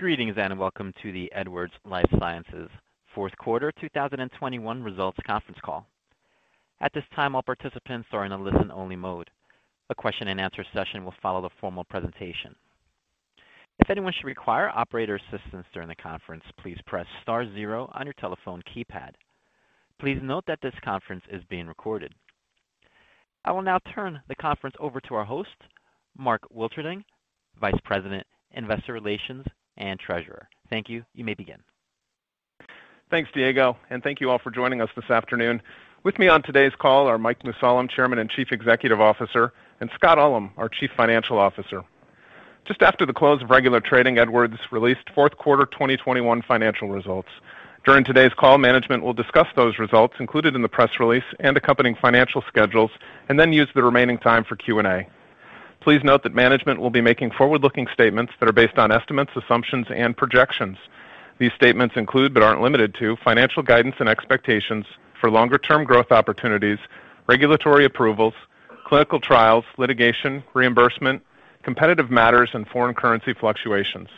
Greetings, and welcome to the Edwards Lifesciences Fourth Quarter 2021 Results Conference Call. At this time, all participants are in a listen-only mode. A question-and-answer session will follow the formal presentation. If anyone should require operator assistance during the conference, please press star zero on your telephone keypad. Please note that this conference is being recorded. I will now turn the conference over to our host, Mark Wilterding, Vice President, Investor Relations and Treasurer. Thank you. You may begin. Thanks, Diego, and thank you all for joining us this afternoon. With me on today's call are Mike Mussallem, Chairman and Chief Executive Officer, and Scott Ullem, our Chief Financial Officer. Just after the close of regular trading, Edwards released fourth quarter 2021 financial results. During today's call, management will discuss those results included in the press release and accompanying financial schedules and then use the remaining time for Q&A. Please note that management will be making forward-looking statements that are based on estimates, assumptions, and projections. These statements include, but aren't limited to, financial guidance and expectations for longer-term growth opportunities, regulatory approvals, clinical trials, litigation, reimbursement, competitive matters, and foreign currency fluctuations.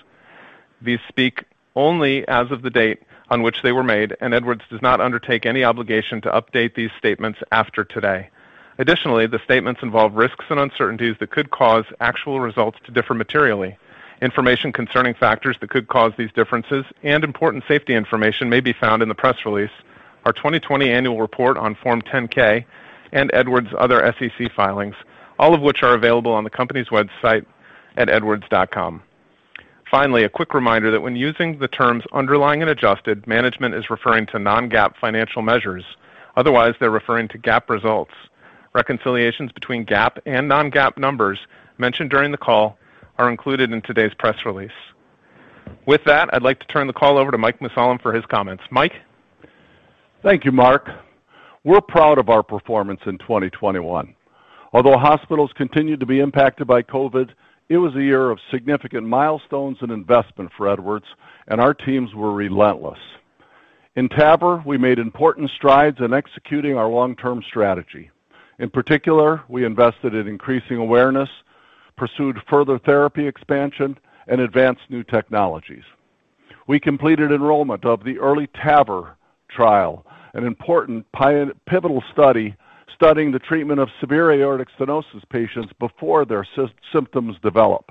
These speak only as of the date on which they were made, and Edwards does not undertake any obligation to update these statements after today. Additionally, the statements involve risks and uncertainties that could cause actual results to differ materially. Information concerning factors that could cause these differences and important safety information may be found in the press release, our 2020 annual report on Form 10-K, and Edwards' other SEC filings, all of which are available on the company's website at edwards.com. Finally, a quick reminder that when using the terms underlying and adjusted, management is referring to non-GAAP financial measures. Otherwise, they're referring to GAAP results. Reconciliations between GAAP and non-GAAP numbers mentioned during the call are included in today's press release. With that, I'd like to turn the call over to Mike Mussallem for his comments. Mike? Thank you, Mark. We're proud of our performance in 2021. Although hospitals continued to be impacted by COVID, it was a year of significant milestones and investment for Edwards, and our teams were relentless. In TAVR, we made important strides in executing our long-term strategy. In particular, we invested in increasing awareness, pursued further therapy expansion, and advanced new technologies. We completed enrollment of the Early TAVR trial, an important pivotal study studying the treatment of severe aortic stenosis patients before their symptoms develop.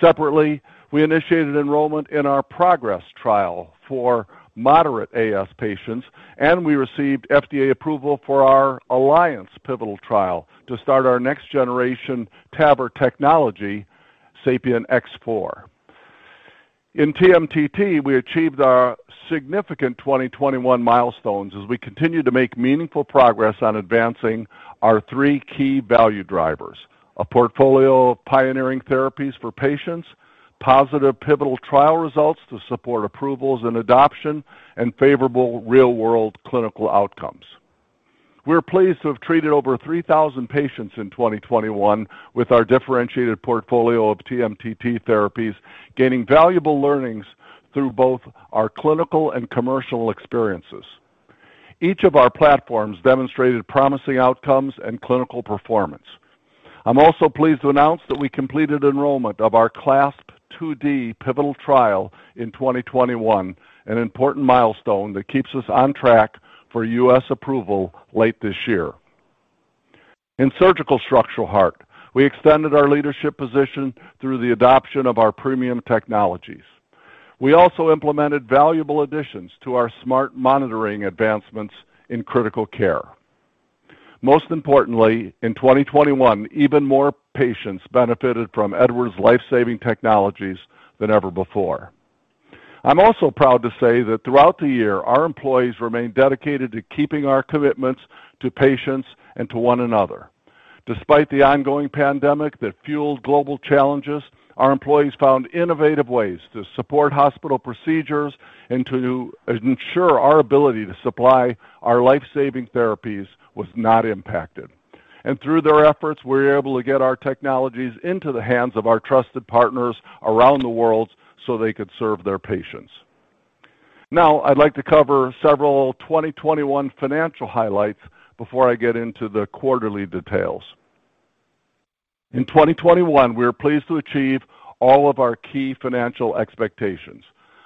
Separately, we initiated enrollment in our PROGRESS trial for moderate AS patients, and we received FDA approval for our ALLIANCE pivotal trial to start our next-generation TAVR technology, SAPIEN X4. In TMTT, we achieved our significant 2021 milestones as we continue to make meaningful progress on advancing our three key value drivers, a portfolio of pioneering therapies for patients, positive pivotal trial results to support approvals and adoption, and favorable real-world clinical outcomes. We're pleased to have treated over 3,000 patients in 2021 with our differentiated portfolio of TMTT therapies, gaining valuable learnings through both our clinical and commercial experiences. Each of our platforms demonstrated promising outcomes and clinical performance. I'm also pleased to announce that we completed enrollment of our CLASP IID pivotal trial in 2021, an important milestone that keeps us on track for U.S. approval late this year. In Surgical Structural Heart, we extended our leadership position through the adoption of our premium technologies. We also implemented valuable additions to our smart monitoring advancements in Critical Care. Most importantly, in 2021, even more patients benefited from Edwards' life-saving technologies than ever before. I'm also proud to say that throughout the year, our employees remained dedicated to keeping our commitments to patients and to one another. Despite the ongoing pandemic that fueled global challenges, our employees found innovative ways to support hospital procedures and to ensure our ability to supply our life-saving therapies was not impacted. Through their efforts, we were able to get our technologies into the hands of our trusted partners around the world so they could serve their patients. Now, I'd like to cover several 2021 financial highlights before I get into the quarterly details. In 2021, we were pleased to achieve all of our key financial expectations.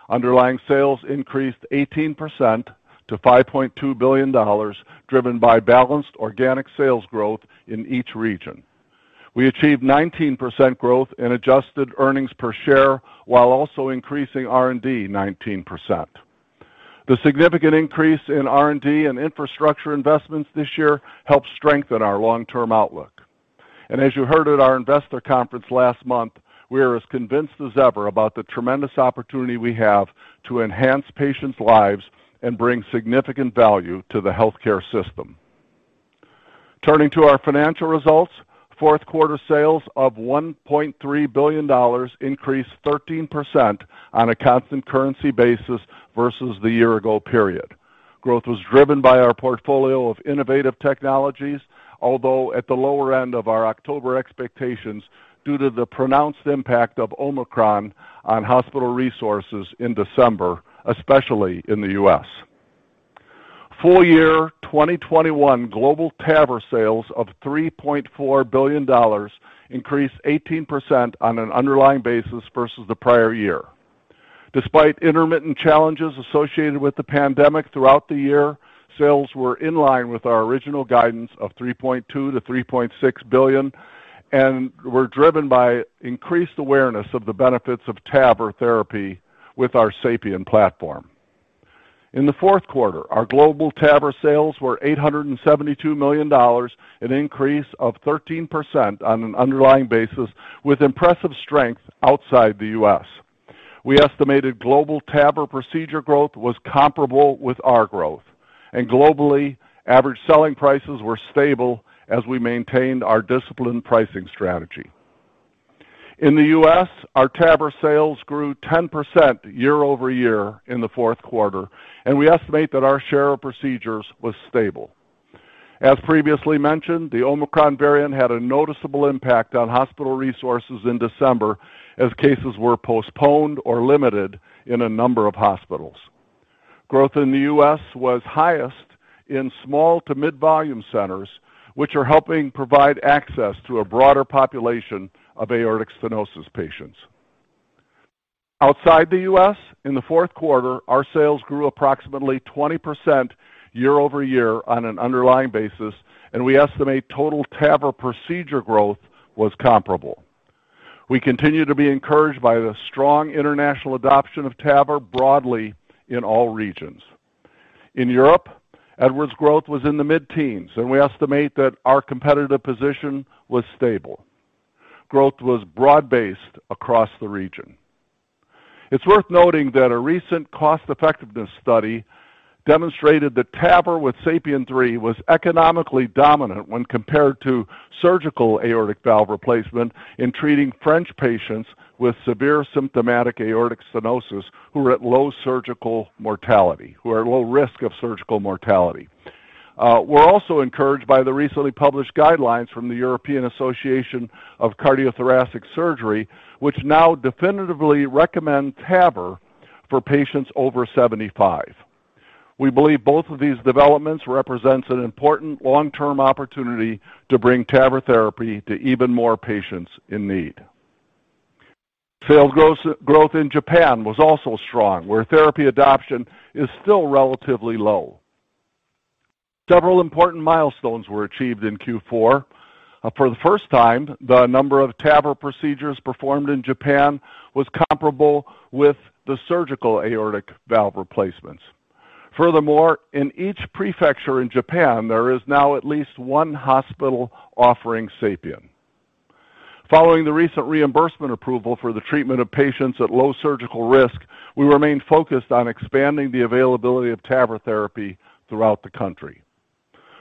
Underlying sales increased 18% to $5.2 billion, driven by balanced organic sales growth in each region. We achieved 19% growth in adjusted earnings per share while also increasing R&D 19%. The significant increase in R&D and infrastructure investments this year helped strengthen our long-term outlook. As you heard at our investor conference last month, we are as convinced as ever about the tremendous opportunity we have to enhance patients' lives and bring significant value to the healthcare system. Turning to our financial results, fourth quarter sales of $1.3 billion increased 13% on a constant currency basis versus the year-ago period. Growth was driven by our portfolio of innovative technologies, although at the lower end of our October expectations due to the pronounced impact of Omicron on hospital resources in December, especially in the U.S. Full-year 2021 global TAVR sales of $3.4 billion increased 18% on an underlying basis versus the prior year. Despite intermittent challenges associated with the pandemic throughout the year, sales were in line with our original guidance of $3.2 billion-$3.6 billion, and were driven by increased awareness of the benefits of TAVR therapy with our SAPIEN platform. In the fourth quarter, our global TAVR sales were $872 million, an increase of 13% on an underlying basis with impressive strength outside the U.S. We estimated global TAVR procedure growth was comparable with our growth. Globally, average selling prices were stable as we maintained our disciplined pricing strategy. In the U.S., our TAVR sales grew 10% year-over-year in the fourth quarter, and we estimate that our share of procedures was stable. As previously mentioned, the Omicron variant had a noticeable impact on hospital resources in December as cases were postponed or limited in a number of hospitals. Growth in the U.S. was highest in small to mid-volume centers, which are helping provide access to a broader population of aortic stenosis patients. Outside the U.S., in the fourth quarter, our sales grew approximately 20% year-over-year on an underlying basis, and we estimate total TAVR procedure growth was comparable. We continue to be encouraged by the strong international adoption of TAVR broadly in all regions. In Europe, Edwards growth was in the mid-teens, and we estimate that our competitive position was stable. Growth was broad-based across the region. It's worth noting that a recent cost effectiveness study demonstrated that TAVR with SAPIEN 3 was economically dominant when compared to surgical aortic valve replacement in treating French patients with severe symptomatic aortic stenosis who are at low risk of surgical mortality. We're also encouraged by the recently published guidelines from the European Association for Cardio-Thoracic Surgery, which now definitively recommend TAVR for patients over 75. We believe both of these developments represents an important long-term opportunity to bring TAVR therapy to even more patients in need. Sales gross-growth in Japan was also strong, where therapy adoption is still relatively low. Several important milestones were achieved in Q4. For the first time, the number of TAVR procedures performed in Japan was comparable with the surgical aortic valve replacements. Furthermore, in each prefecture in Japan, there is now at least one hospital offering SAPIEN. Following the recent reimbursement approval for the treatment of patients at low surgical risk, we remain focused on expanding the availability of TAVR therapy throughout the country.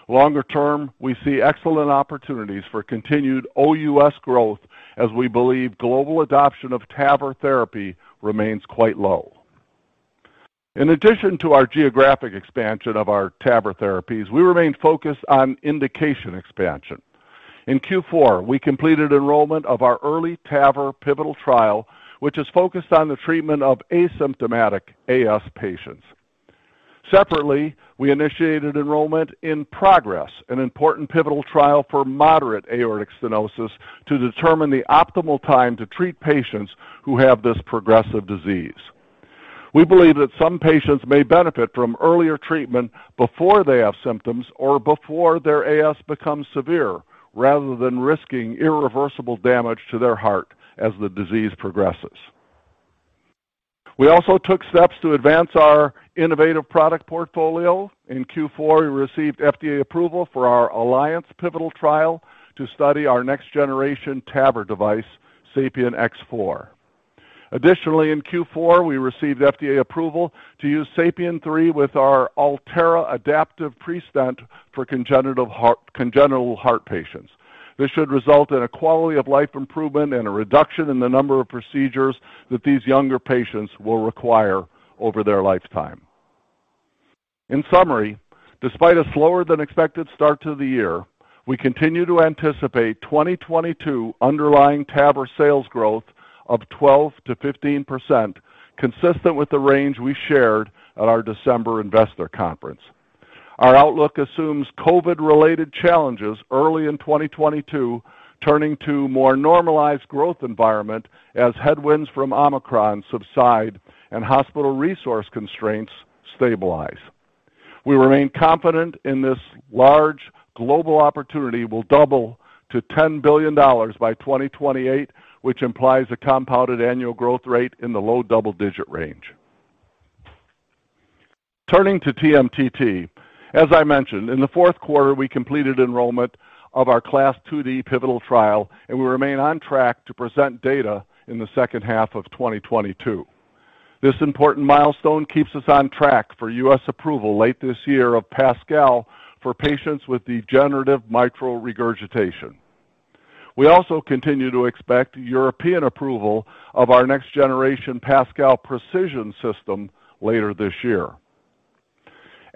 Longer term, we see excellent opportunities for continued OUS growth as we believe global adoption of TAVR therapy remains quite low. In addition to our geographic expansion of our TAVR therapies, we remain focused on indication expansion. In Q4, we completed enrollment of our EARLY TAVR pivotal trial, which is focused on the treatment of asymptomatic AS patients. Separately, we initiated enrollment in PROGRESS, an important pivotal trial for moderate aortic stenosis to determine the optimal time to treat patients who have this progressive disease. We believe that some patients may benefit from earlier treatment before they have symptoms or before their AS becomes severe, rather than risking irreversible damage to their heart as the disease progresses. We also took steps to advance our innovative product portfolio. In Q4, we received FDA approval for our ALLIANCE pivotal trial to study our next generation TAVR device, SAPIEN X4. Additionally, in Q4, we received FDA approval to use SAPIEN 3 with our Alterra adaptive prestent for congenital heart patients. This should result in a quality of life improvement and a reduction in the number of procedures that these younger patients will require over their lifetime. In summary, despite a slower than expected start to the year, we continue to anticipate 2022 underlying TAVR sales growth of 12%-15%, consistent with the range we shared at our December investor conference. Our outlook assumes COVID-related challenges early in 2022, turning to more normalized growth environment as headwinds from Omicron subside and hospital resource constraints stabilize. We remain confident in this large global opportunity will double to $10 billion by 2028, which implies a compounded annual growth rate in the low double-digit range. Turning to TMTT. As I mentioned, in the fourth quarter, we completed enrollment of our CLASP IID pivotal trial, and we remain on track to present data in the second half of 2022. This important milestone keeps us on track for U.S. approval late this year of PASCAL for patients with degenerative mitral regurgitation. We also continue to expect European approval of our next generation PASCAL Precision system later this year.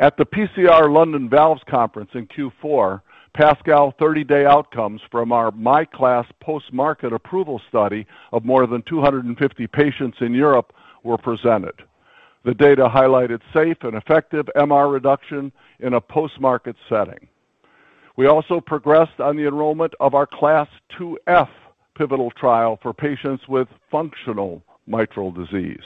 At the PCR London Valves Conference in Q4, PASCAL 30-day outcomes from our MiCLASP post-market approval study of more than 250 patients in Europe were presented. The data highlighted safe and effective MR reduction in a post-market setting. We also progressed on the enrollment of our CLASP IIF pivotal trial for patients with functional mitral disease.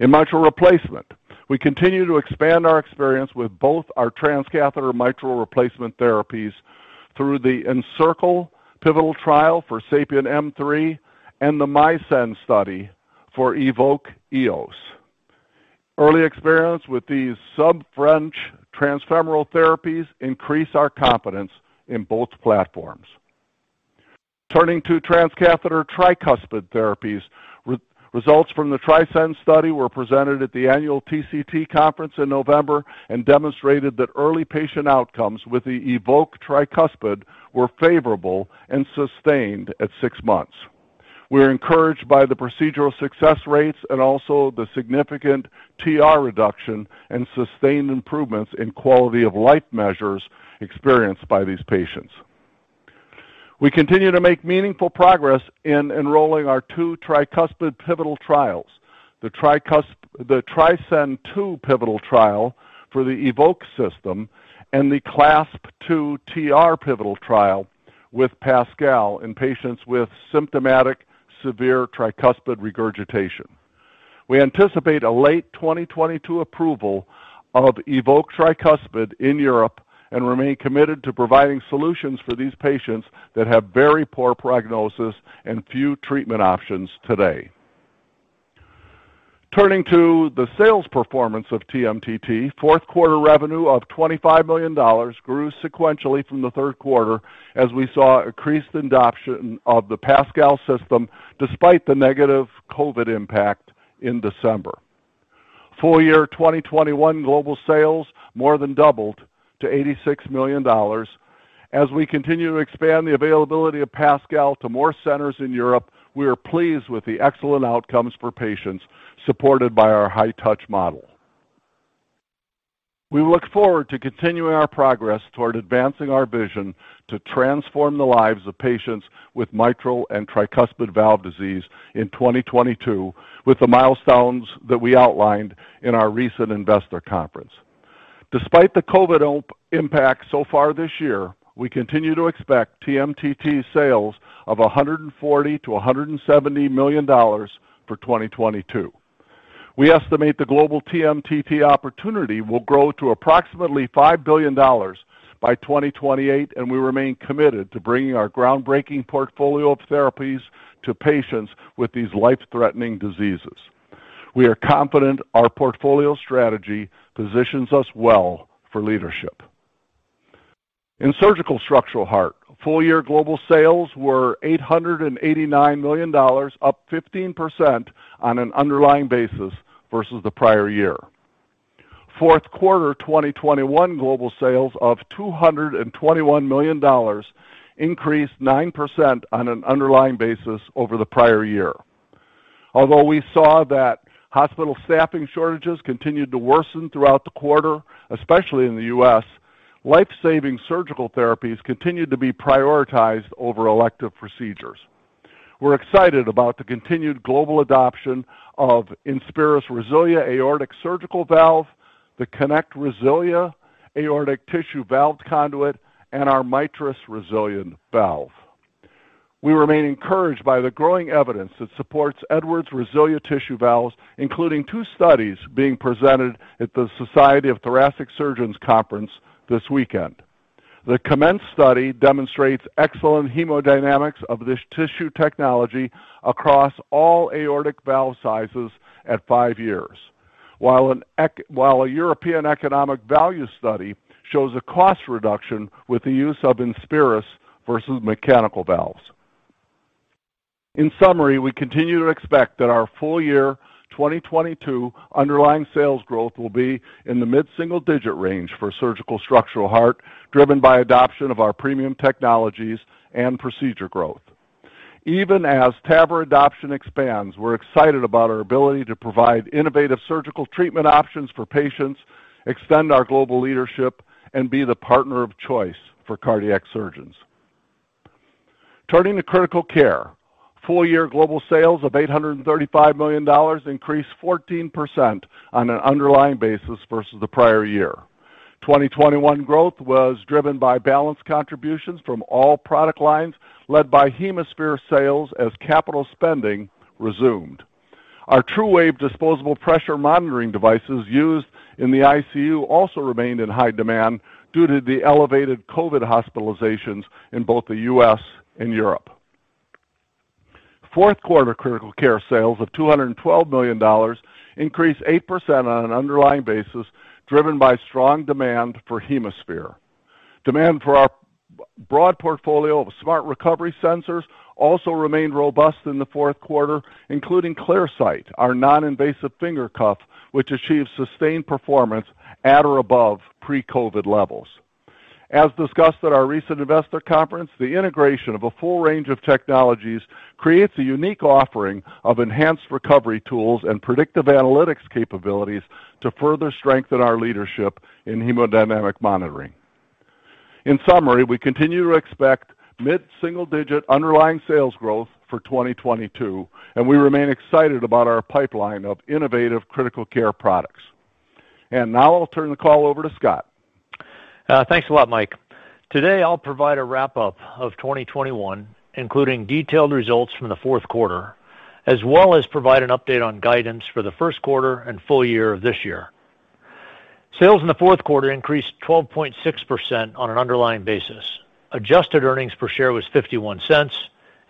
In mitral replacement, we continue to expand our experience with both our transcatheter mitral replacement therapies through the ENCIRCLE pivotal trial for SAPIEN M3 and the MISCEND study for EVOQUE Eos. Early experience with these sub-french transfemoral therapies increase our confidence in both platforms. Turning to transcatheter tricuspid therapies, results from the TRISCEND study were presented at the annual TCT conference in November and demonstrated that early patient outcomes with the EVOQUE Tricuspid were favorable and sustained at six months. We're encouraged by the procedural success rates and also the significant TR reduction and sustained improvements in quality of life measures experienced by these patients. We continue to make meaningful progress in enrolling our two tricuspid pivotal trials. The TRISCEND II pivotal trial for the EVOQUE system and the CLASP II TR pivotal trial with PASCAL in patients with symptomatic severe tricuspid regurgitation. We anticipate a late 2022 approval of EVOQUE Tricuspid in Europe and remain committed to providing solutions for these patients that have very poor prognosis and few treatment options today. Turning to the sales performance of TMTT, fourth quarter revenue of $25 million grew sequentially from the third quarter as we saw increased adoption of the PASCAL system despite the negative COVID impact in December. Full-year 2021 global sales more than doubled to $86 million. As we continue to expand the availability of PASCAL to more centers in Europe, we are pleased with the excellent outcomes for patients supported by our high touch model. We look forward to continuing our progress toward advancing our vision to transform the lives of patients with mitral and tricuspid valve disease in 2022 with the milestones that we outlined in our recent investor conference. Despite the COVID impact so far this year, we continue to expect TMTT sales of $140 million-$170 million for 2022. We estimate the global TMTT opportunity will grow to approximately $5 billion by 2028, and we remain committed to bringing our groundbreaking portfolio of therapies to patients with these life-threatening diseases. We are confident our portfolio strategy positions us well for leadership. In Surgical Structural Heart, full-year global sales were $889 million, up 15% on an underlying basis versus the prior year. Fourth quarter 2021 global sales of $221 million increased 9% on an underlying basis over the prior year. Although we saw that hospital staffing shortages continued to worsen throughout the quarter, especially in the U.S., life-saving surgical therapies continued to be prioritized over elective procedures. We're excited about the continued global adoption of INSPIRIS RESILIA aortic surgical valve, the KONECT RESILIA aortic tissue valve conduit, and our MITRIS RESILIA valve. We remain encouraged by the growing evidence that supports Edwards RESILIA tissue valves, including two studies being presented at the Society of Thoracic Surgeons Conference this weekend. The COMMENCE study demonstrates excellent hemodynamics of this tissue technology across all aortic valve sizes at five years. While a European economic value study shows a cost reduction with the use of INSPIRIS versus mechanical valves. In summary, we continue to expect that our full-year 2022 underlying sales growth will be in the mid-single digit range for Surgical Structural Heart, driven by adoption of our premium technologies and procedure growth. Even as TAVR adoption expands, we're excited about our ability to provide innovative surgical treatment options for patients, extend our global leadership, and be the partner of choice for cardiac surgeons. Turning to Critical Care. Full-year global sales of $835 million increased 14% on an underlying basis versus the prior year. 2021 growth was driven by balanced contributions from all product lines, led by HemoSphere sales as capital spending resumed. Our TruWave disposable pressure monitoring devices used in the ICU also remained in high demand due to the elevated COVID hospitalizations in both the U.S. and Europe. Fourth quarter Critical Care sales of $212 million increased 8% on an underlying basis, driven by strong demand for HemoSphere. Demand for our broad portfolio of smart recovery sensors also remained robust in the fourth quarter, including ClearSight, our non-invasive finger cuff, which achieves sustained performance at or above pre-COVID levels. As discussed at our recent investor conference, the integration of a full range of technologies creates a unique offering of enhanced recovery tools and predictive analytics capabilities to further strengthen our leadership in hemodynamic monitoring. In summary, we continue to expect mid-single digit underlying sales growth for 2022, and we remain excited about our pipeline of innovative Critical Care products. Now I'll turn the call over to Scott. Thanks a lot, Mike. Today I'll provide a wrap-up of 2021, including detailed results from the fourth quarter, as well as provide an update on guidance for the first quarter and full-year of this year. Sales in the fourth quarter increased 12.6% on an underlying basis. Adjusted earnings per share was $0.51,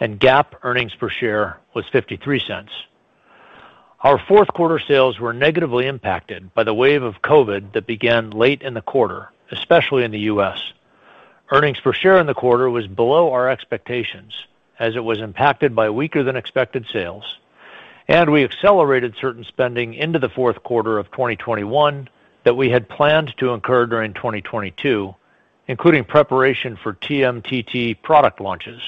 and GAAP earnings per share was $0.53. Our fourth quarter sales were negatively impacted by the wave of COVID that began late in the quarter, especially in the U.S. Earnings per share in the quarter was below our expectations as it was impacted by weaker than expected sales, and we accelerated certain spending into the fourth quarter of 2021 that we had planned to incur during 2022, including preparation for TMTT product launches.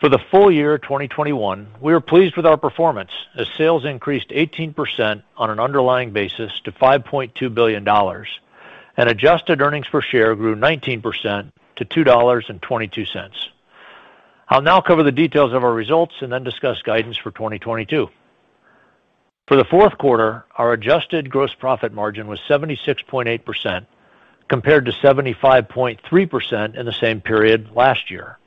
For the full-year 2021, we are pleased with our performance as sales increased 18% on an underlying basis to $5.2 billion, and adjusted earnings per share grew 19% to $2.22. I'll now cover the details of our results and then discuss guidance for 2022. For the fourth quarter, our adjusted gross profit margin was 76.8% compared to 75.3% in the same period last year.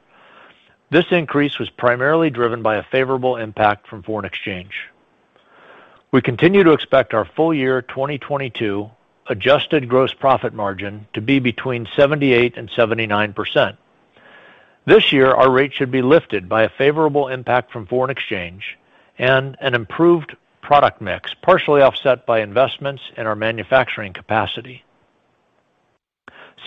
This increase was primarily driven by a favorable impact from foreign exchange. We continue to expect our full-year 2022 adjusted gross profit margin to be between 78%-79%. This year, our rate should be lifted by a favorable impact from foreign exchange and an improved product mix, partially offset by investments in our manufacturing capacity.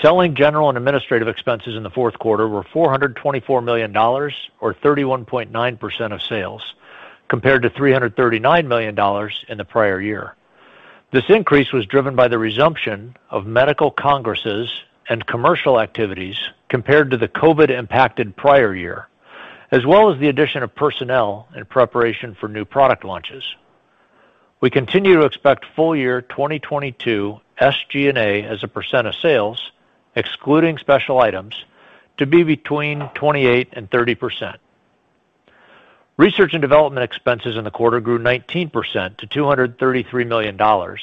Selling, general, and administrative expenses in the fourth quarter were $424 million or 31.9% of sales, compared to $339 million in the prior year. This increase was driven by the resumption of medical congresses and commercial activities compared to the COVID-impacted prior year, as well as the addition of personnel in preparation for new product launches. We continue to expect full-year 2022 SG&A as a percent of sales, excluding special items, to be between 28%-30%. Research and development expenses in the quarter grew 19% to $233 million, or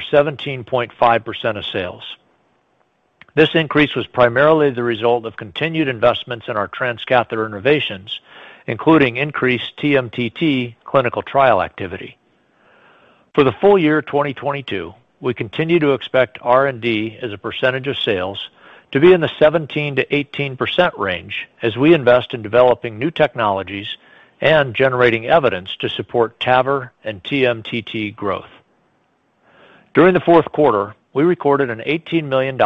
17.5% of sales. This increase was primarily the result of continued investments in our transcatheter innovations, including increased TMTT clinical trial activity. For the full-year 2022, we continue to expect R&D as a percentage of sales to be in the 17%-18% range as we invest in developing new technologies and generating evidence to support TAVR and TMTT growth. During the fourth quarter, we recorded an $18 million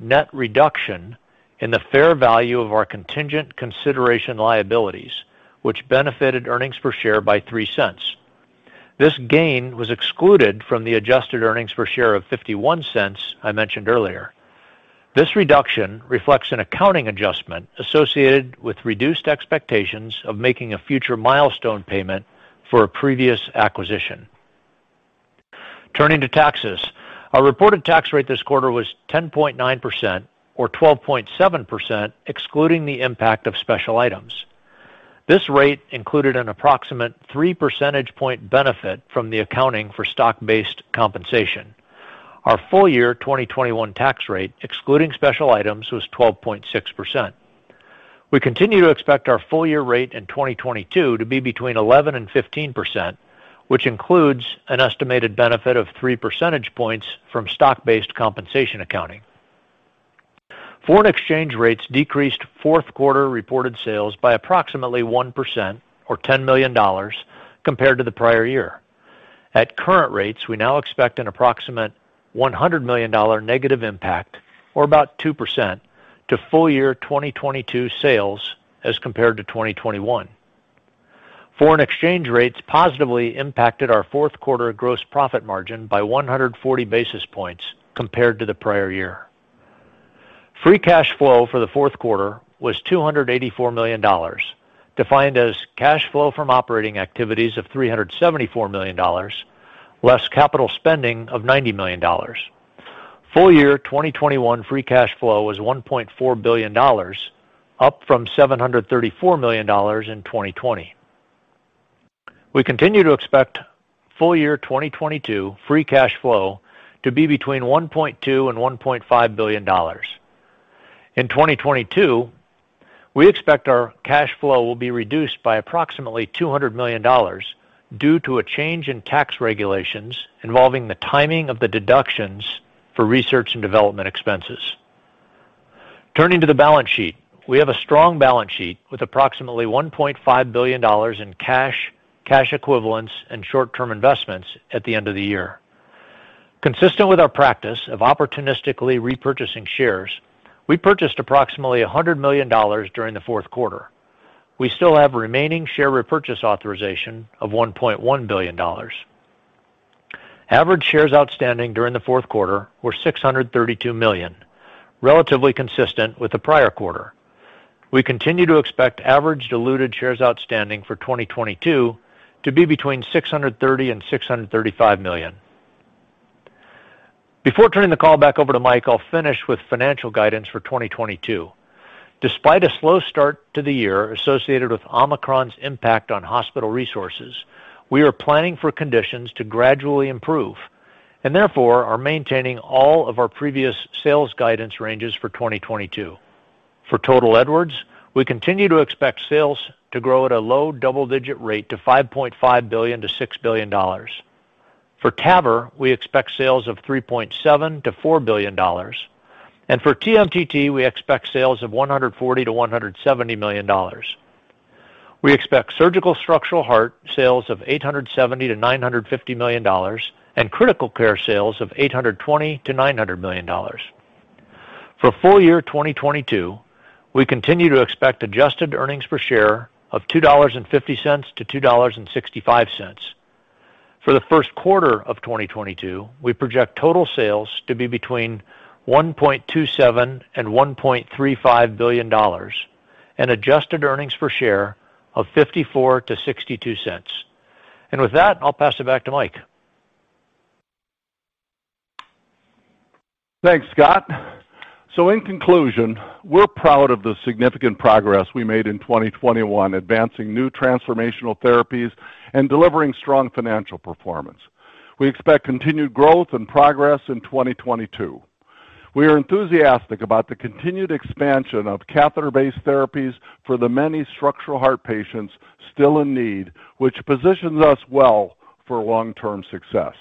net reduction in the fair value of our contingent consideration liabilities, which benefited earnings per share by $0.03. This gain was excluded from the adjusted earnings per share of $0.51 I mentioned earlier. This reduction reflects an accounting adjustment associated with reduced expectations of making a future milestone payment for a previous acquisition. Turning to taxes. Our reported tax rate this quarter was 10.9% or 12.7% excluding the impact of special items. This rate included an approximate three percentage point benefit from the accounting for stock-based compensation. Our full-year 2021 tax rate, excluding special items, was 12.6%. We continue to expect our full-year rate in 2022 to be between 11%-15%, which includes an estimated benefit of three percentage points from stock-based compensation accounting. Foreign exchange rates decreased fourth quarter reported sales by approximately 1% or $10 million compared to the prior year. At current rates, we now expect an approximate $100 million negative impact, or about 2% to full-year 2022 sales as compared to 2021. Foreign exchange rates positively impacted our fourth quarter gross profit margin by 140 basis points compared to the prior year. Free cash flow for the fourth quarter was $284 million, defined as cash flow from operating activities of $374 million, less capital spending of $90 million. Full-year 2021 free cash flow was $1.4 billion, up from $734 million in 2020. We continue to expect full-year 2022 free cash flow to be between $1.2 billion and $1.5 billion. In 2022, we expect our cash flow will be reduced by approximately $200 million due to a change in tax regulations involving the timing of the deductions for research and development expenses. Turning to the balance sheet. We have a strong balance sheet with approximately $1.5 billion in cash equivalents, and short-term investments at the end of the year. Consistent with our practice of opportunistically repurchasing shares, we purchased approximately $100 million during the fourth quarter. We still have remaining share repurchase authorization of $1.1 billion. Average shares outstanding during the fourth quarter were $632 million, relatively consistent with the prior quarter. We continue to expect average diluted shares outstanding for 2022 to be between $630 million-$635 million. Before turning the call back over to Mike, I'll finish with financial guidance for 2022. Despite a slow start to the year associated with Omicron's impact on hospital resources, we are planning for conditions to gradually improve and therefore are maintaining all of our previous sales guidance ranges for 2022. For total Edwards, we continue to expect sales to grow at a low double-digit rate to $5.5 billion-$6 billion. For TAVR, we expect sales of $3.7 billion-$4 billion. For TMTT, we expect sales of $140 million-$170 million. We expect Surgical Structural Heart sales of $870 million-$950 million and Critical Care sales of $820 million-$900 million. For full-year 2022, we continue to expect adjusted earnings per share of $2.50-$2.65. For the first quarter of 2022, we project total sales to be between $1.27 billion-$1.35 billion and adjusted earnings per share of $0.54-$0.62. With that, I'll pass it back to Mike. Thanks, Scott. In conclusion, we're proud of the significant progress we made in 2021, advancing new transformational therapies and delivering strong financial performance. We expect continued growth and progress in 2022. We are enthusiastic about the continued expansion of catheter-based therapies for the many structural heart patients still in need, which positions us well for long-term success.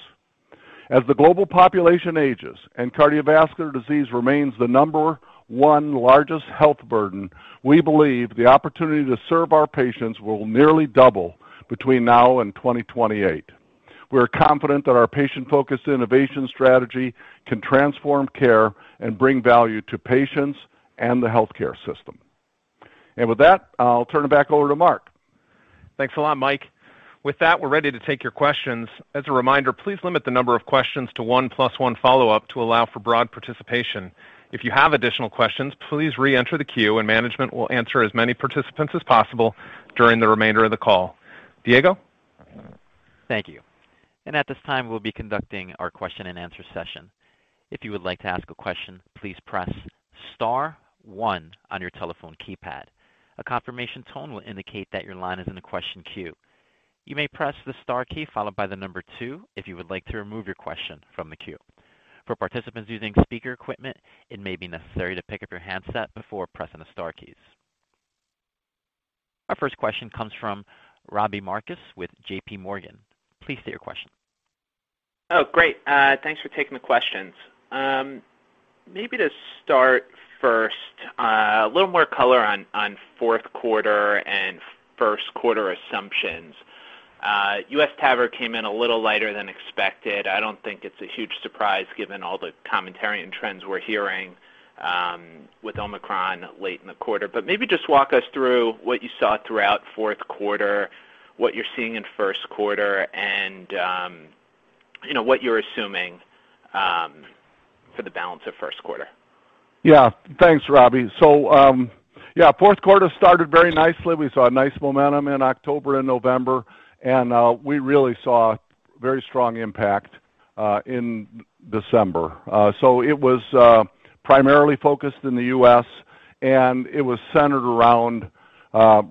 As the global population ages and cardiovascular disease remains the number one largest health burden, we believe the opportunity to serve our patients will nearly double between now and 2028. We are confident that our patient-focused innovation strategy can transform care and bring value to patients and the healthcare system. With that, I'll turn it back over to Mark. Thanks a lot, Mike. With that, we're ready to take your questions. As a reminder, please limit the number of questions to one plus one follow-up to allow for broad participation. If you have additional questions, please reenter the queue and management will answer as many participants as possible during the remainder of the call. Diego. Thank you. At this time, we'll be conducting our question-and-answer session. If you would like to ask a question, please press star one on your telephone keypad. A confirmation tone will indicate that your line is in the question queue. You may press the star key followed by the number two if you would like to remove your question from the queue. For participants using speaker equipment, it may be necessary to pick up your handset before pressing the star keys. Our first question comes from Robbie Marcus with JPMorgan. Please state your question. Oh, great. Thanks for taking the questions. Maybe to start first, a little more color on fourth quarter and first quarter assumptions. U.S. TAVR came in a little lighter than expected. I don't think it's a huge surprise given all the commentary and trends we're hearing with Omicron late in the quarter. Maybe just walk us through what you saw throughout fourth quarter, what you're seeing in first quarter, and you know, what you're assuming for the balance of first quarter. Yeah. Thanks, Robbie. Fourth quarter started very nicely. We saw a nice momentum in October and November, and we really saw very strong impact in December. It was primarily focused in the U.S., and it was centered around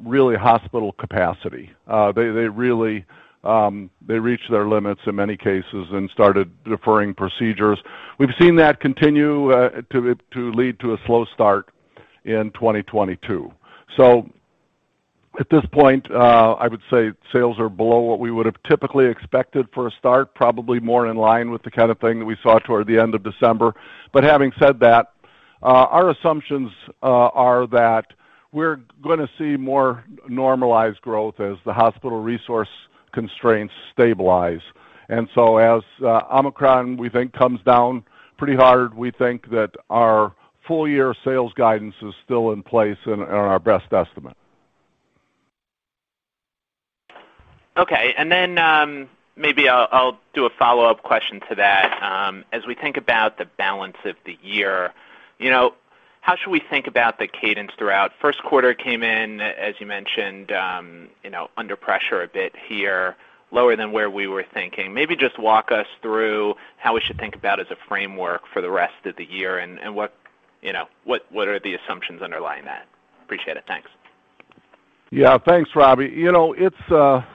really hospital capacity. They really reached their limits in many cases and started deferring procedures. We've seen that continue to lead to a slow start in 2022. At this point, I would say sales are below what we would have typically expected for a start, probably more in line with the kind of thing that we saw toward the end of December. Having said that, our assumptions are that we're gonna see more normalized growth as the hospital resource constraints stabilize. As Omicron, we think, comes down pretty hard, we think that our full-year sales guidance is still in place and are our best estimate. Okay. Maybe I'll do a follow-up question to that. As we think about the balance of the year, you know, how should we think about the cadence throughout? First quarter came in, as you mentioned, you know, under pressure a bit here, lower than where we were thinking. Maybe just walk us through how we should think about as a framework for the rest of the year and what, you know, are the assumptions underlying that? Appreciate it. Thanks. Yeah. Thanks, Robbie. You know,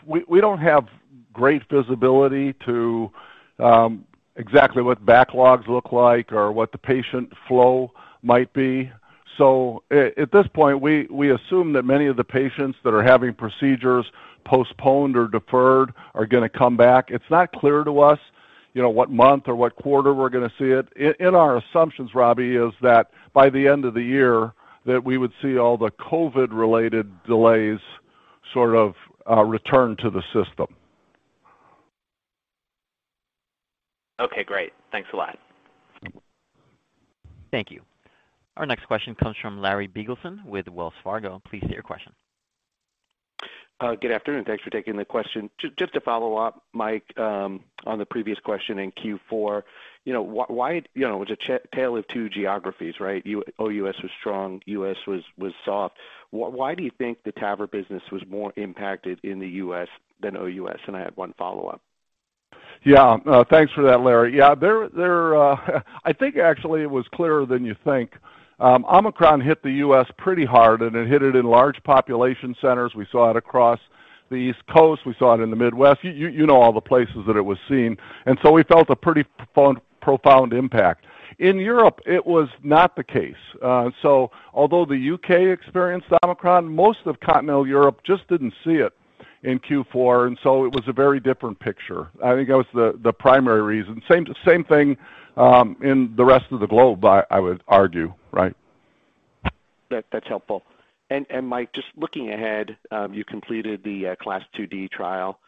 we don't have great visibility to exactly what the backlogs look like or what the patient flow might be. At this point, we assume that many of the patients that are having procedures postponed or deferred are gonna come back. It's not clear to us, you know, what month or what quarter we're gonna see it. In our assumptions, Robbie, is that by the end of the year that we would see all the COVID-related delays sort of return to the system. Okay, great. Thanks a lot. Thank you. Our next question comes from Larry Biegelsen with Wells Fargo. Please state your question. Good afternoon. Thanks for taking the question. Just to follow-up, Mike, on the previous question in Q4. You know, why you know, it was a tale of two geographies, right? OUS was strong, U.S. was soft. Why do you think the TAVR business was more impacted in the U.S. than OUS? And I had one follow-up. Yeah. Thanks for that, Larry. Yeah. There, I think actually it was clearer than you think. Omicron hit the U.S. pretty hard, and it hit it in large population centers. We saw it across the East Coast. We saw it in the Midwest. You know all the places that it was seen. We felt a pretty profound impact. In Europe, it was not the case. Although the U.K. experienced Omicron, most of continental Europe just didn't see it in Q4, and it was a very different picture. I think that was the primary reason. Same thing in the rest of the globe, I would argue, right? That's helpful. Mike, just looking ahead, you completed the CLASP IID trial,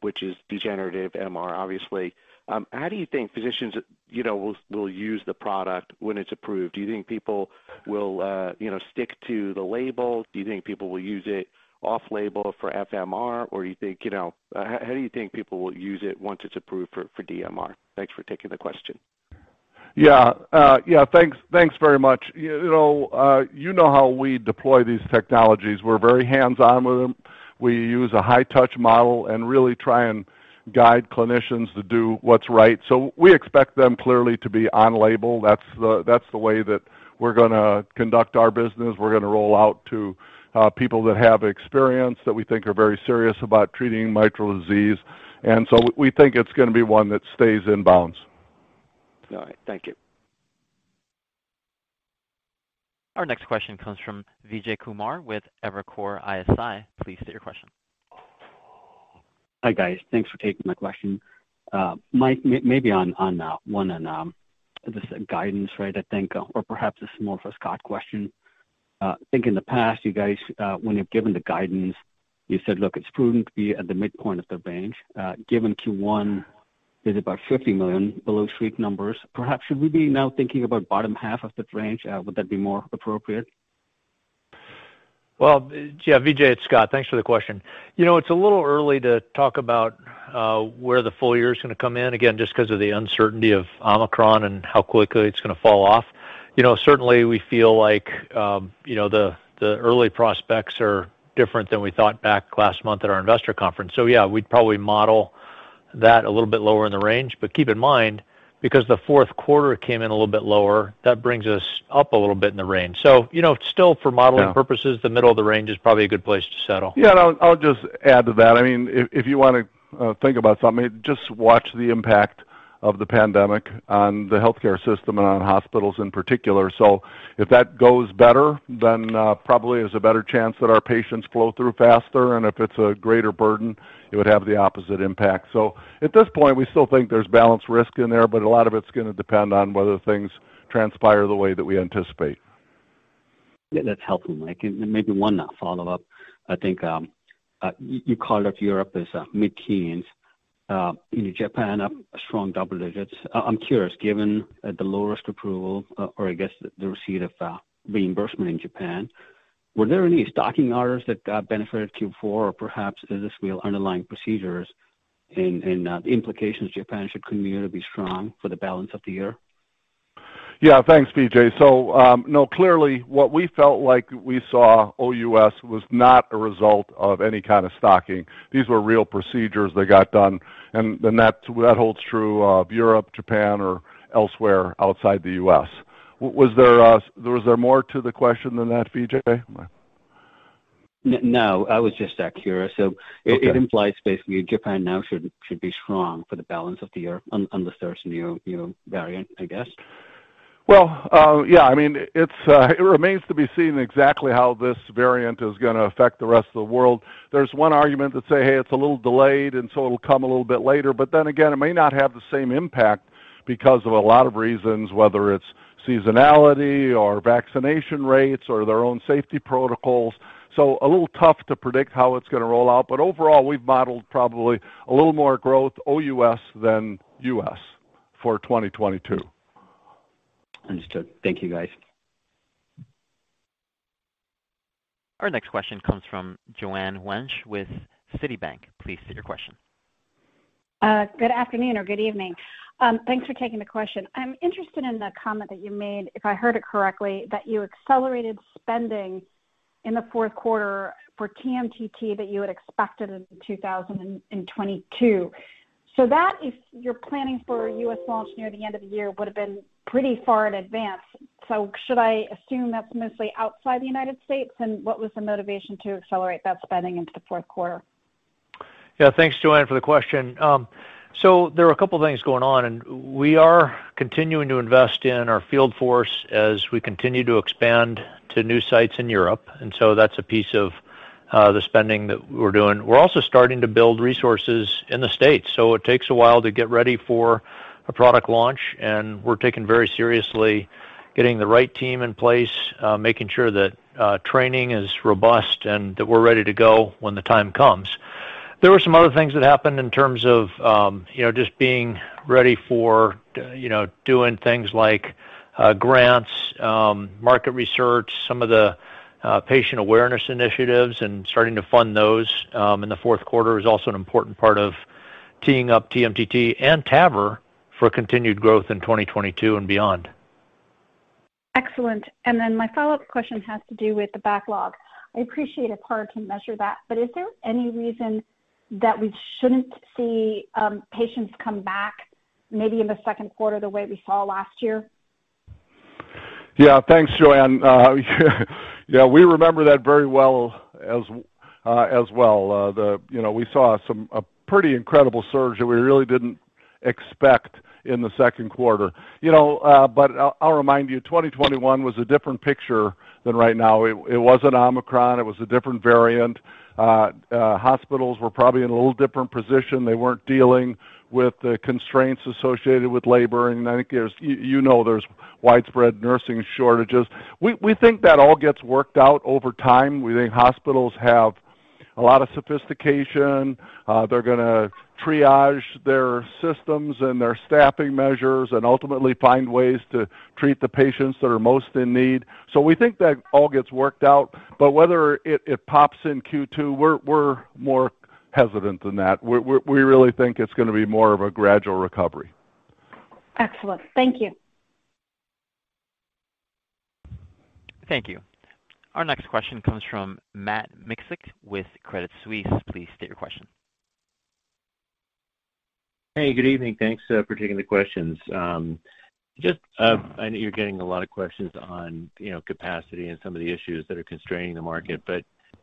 which is degenerative MR, obviously. How do you think physicians, you know, will use the product when it's approved? Do you think people will, you know, stick to the label? Do you think people will use it off-label for FMR? Or do you think, you know, how do you think people will use it once it's approved for DMR? Thanks for taking the question. Yeah, thanks very much. You know how we deploy these technologies. We're very hands-on with them. We use a high-touch model and really try and guide clinicians to do what's right. We expect them clearly to be on-label. That's the way that we're gonna conduct our business. We're gonna roll out to people that have experience, that we think are very serious about treating mitral disease. We think it's gonna be one that stays in bounds. All right. Thank you. Our next question comes from Vijay Kumar with Evercore ISI. Please state your question. Hi, guys. Thanks for taking my question. Mike, maybe on this guidance, right, I think, or perhaps this is more of a Scott question. I think in the past, you guys, when you've given the guidance, you said, "Look, it's prudent to be at the midpoint of the range." Given Q1 is about $50 million below street numbers, perhaps should we be now thinking about bottom half of the range? Would that be more appropriate? Well, yeah. Vijay, it's Scott. Thanks for the question. You know, it's a little early to talk about where the full-year is gonna come in, again, just 'cause of the uncertainty of Omicron and how quickly it's gonna fall off. You know, certainly we feel like, you know, the early prospects are different than we thought back last month at our investor conference. Yeah, we'd probably model that a little bit lower in the range. Keep in mind, because the fourth quarter came in a little bit lower, that brings us up a little bit in the range. You know, still for modeling purposes, the middle of the range is probably a good place to settle. Yeah, I'll just add to that. I mean, if you wanna think about something, just watch the impact of the pandemic on the healthcare system and on hospitals in particular. If that goes better, then probably there's a better chance that our patients flow through faster, and if it's a greater burden, it would have the opposite impact. At this point, we still think there's balanced risk in there, but a lot of it's gonna depend on whether things transpire the way that we anticipate. Yeah, that's helpful, Mike. Maybe one follow-up. I think you called out Europe as mid-teens, you know, Japan up strong double-digits. I'm curious, given the low-risk approval or I guess the receipt of reimbursement in Japan, were there any stocking orders that benefited Q4? Or perhaps is this real underlying procedures and the implications Japan should continue to be strong for the balance of the year? Yeah. Thanks, Vijay. No, clearly what we felt like we saw OUS was not a result of any kind of stocking. These were real procedures that got done, and then that holds true of Europe, Japan, or elsewhere outside the U.S. Was there more to the question than that, Vijay? No. I was just curious, so it implies basically Japan now should be strong for the balance of the year unless there's a new, you know, variant, I guess. Well, yeah, I mean, it remains to be seen exactly how this variant is gonna affect the rest of the world. There's one argument that say, "Hey, it's a little delayed, and so it'll come a little bit later." It may not have the same impact because of a lot of reasons, whether it's seasonality or vaccination rates or their own safety protocols. A little tough to predict how it's gonna roll out. Overall, we've modeled probably a little more growth OUS than US for 2022. Understood. Thank you, guys. Our next question comes from Joanne Wuensch with Citibank. Please state your question. Good afternoon or good evening. Thanks for taking the question. I'm interested in the comment that you made, if I heard it correctly, that you accelerated spending in the fourth quarter for TMTT that you had expected in 2022. That, if you're planning for a U.S. launch near the end of the year, would've been pretty far in advance. Should I assume that's mostly outside the United States, and what was the motivation to accelerate that spending into the fourth quarter? Yeah. Thanks, Joanne, for the question. There were a couple things going on, and we are continuing to invest in our field force as we continue to expand to new sites in Europe. That's a piece of the spending that we're doing. We're also starting to build resources in the States. It takes a while to get ready for a product launch, and we're taking very seriously getting the right team in place, making sure that training is robust and that we're ready to go when the time comes. There were some other things that happened in terms of, you know, just being ready for, you know, doing things like, grants, market research, some of the, patient awareness initiatives and starting to fund those, in the fourth quarter is also an important part of teeing up TMTT and TAVR for continued growth in 2022 and beyond. Excellent. Then my follow-up question has to do with the backlog. I appreciate it's hard to measure that, but is there any reason that we shouldn't see patients come back maybe in the second quarter, the way we saw last year? Yeah. Thanks, Joanne. Yeah, we remember that very well as well. You know, we saw a pretty incredible surge that we really didn't expect in the second quarter. You know, but I'll remind you, 2021 was a different picture than right now. It wasn't Omicron. It was a different variant. Hospitals were probably in a little different position. They weren't dealing with the constraints associated with labor. I think you know, there's widespread nursing shortages. We think that all gets worked out over time. We think hospitals have a lot of sophistication. They're gonna triage their systems and their staffing measures and ultimately find ways to treat the patients that are most in need. We think that all gets worked out. Whether it pops in Q2, we're more hesitant than that. We really think it's gonna be more of a gradual recovery. Excellent. Thank you. Thank you. Our next question comes from Matt Miksic with Credit Suisse. Please state your question. Hey, good evening. Thanks for taking the questions. Just I know you're getting a lot of questions on, you know, capacity and some of the issues that are constraining the market.